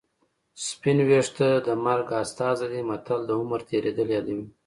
سپین ویښته د مرګ استازی دی متل د عمر تېرېدل یادوي